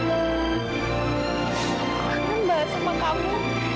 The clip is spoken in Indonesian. aku kangen banget sama kamu